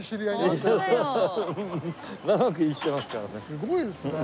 すごいですね。